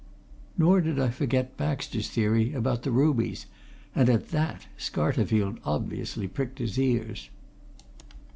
Nor did I forget Baxter's theory about the rubies and at that Scarterfield obviously pricked his ears.